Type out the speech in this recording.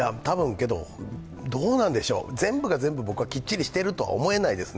けど、どうなんでしょう、全部が全部、僕はきっちりしていると思えないです。